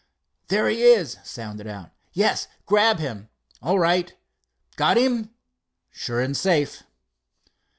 "There he is," sounded out. "Yes, grab him." "All right." "Got him?" "Sure and safe."